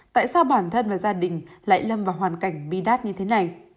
tại sao bản thân và gia đình lại lâm vào hoàn cảnh bi đát như thế này